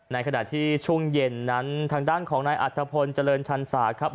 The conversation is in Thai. ในขณะที่ช่วงเย็นนั้นทางด้านของนายอัตภพลเจริญชันศาสตร์ครับ